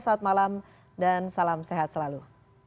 selamat malam dan salam sehat selalu